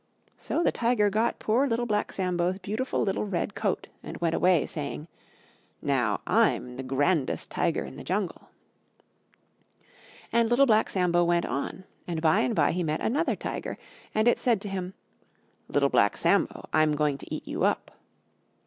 So the Tiger got poor Little Black Sambo's beautiful little Red Coat, and went away saying, "Now I'm the grandest Tiger in the Jungle." And Little Black Sambo went on, and by and by he met another Tiger, and it said to him, "Little Black Sambo, I'm going to eat you up!"